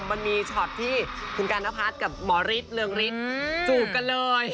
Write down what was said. แชทชอตที่คุณกันนพัทกับหมอริสเรืองริสจูบกันเลย